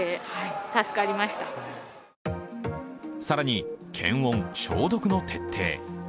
更に検温・消毒の徹底。